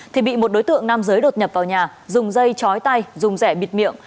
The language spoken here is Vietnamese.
thì bị một đối tượng nam giới đột nhập vào nhà dùng dây chói tay dùng rẻ bịt miệng